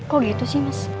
kok gitu sih mas